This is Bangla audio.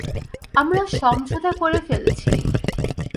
আমরা সমঝোতা করে ফেলেছি।